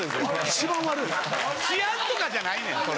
・一番悪い・治安とかじゃないねんそれ。